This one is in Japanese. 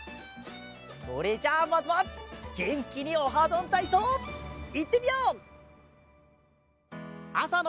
それじゃあまずはげんきに「オハどんたいそう」いってみよう！